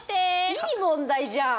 いい問題じゃん。